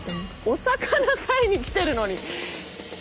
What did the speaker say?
お魚買いに来てるのに。